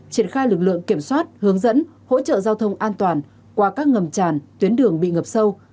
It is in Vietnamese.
triển khai lực lượng kiểm soát hướng dẫn hỗ trợ giao thông an toàn qua các ngầm tràn tuyến đường bị ngập sâu